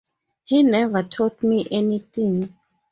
He never taught me anything.